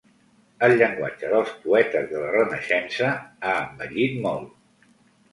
El llenguatge dels poetes de la Renaixença ha envellit molt.